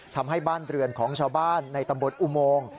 ทำให้บ้านเรือนของชาวบ้านในตำบลอุโมง